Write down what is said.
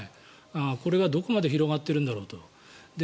これはどこまで広がっているんだろうと。